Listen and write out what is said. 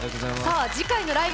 次回の「ライブ！